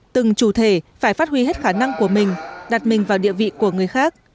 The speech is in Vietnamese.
từng chủ thể phải phát huy hết khả năng của mình đặt mình vào địa vị của người khác